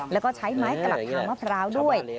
แล้วก็ใช้ไม้กลักทางมะพร้าวด้วย